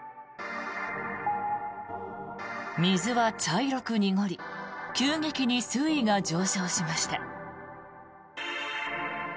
水は茶色く濁り急激に水位が上昇しました。